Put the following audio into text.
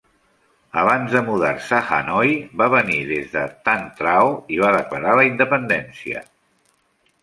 Abans de mudar-se a Hanoi, va venir aquí des de Tan Trao i va declarar la independència.